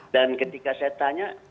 dan ketika saya tanya